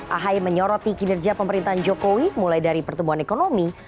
ahai menyoroti kinerja pemerintahan jokowi mulai dari pertumbuhan ekonomi